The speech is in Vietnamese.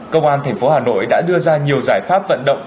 công an thành phố hà nội đã đưa ra nhiều giải pháp vận động